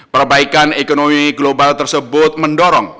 perbaikan ekonomi global tersebut mendorong